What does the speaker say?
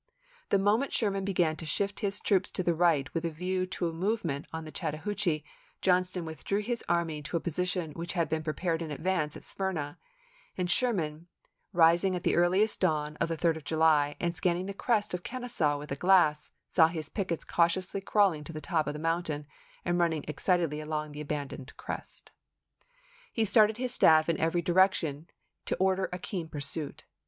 The moment Sherman began to shift his troops to the right with a view to a movement on the Chattahoo chee, Johnston withdrew his army to a position which had been prepared in advance at Smyrna; and Sherman, rising at the earliest dawn of the 3d of July, and scanning the crest of Kenesaw with a 1864 glass, saw his pickets cautiously crawling to the top of the mountain and running excitedly along the abandoned crest. He started his staff in every direc tion to order a keen pursuit.